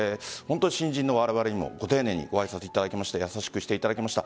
新人のわれわれにもご丁寧にご挨拶いただきまして優しくしていただきました。